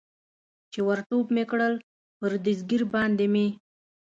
چې ور ټوپ مې کړل، پر دستګیر باندې مې.